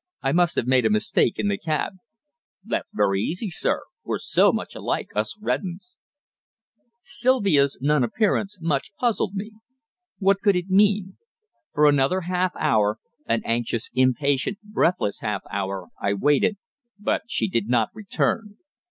"I must have made a mistake in the cab." "That's very easy, sir. We're so much alike us red 'uns." Sylvia's non appearance much puzzled me. What could it mean? For another half hour an anxious, impatient, breathless half hour I waited, but she did not return.